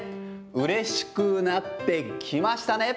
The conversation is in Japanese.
うれしくなってきましたね。